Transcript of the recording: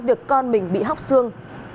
việc con mình bị hóc xương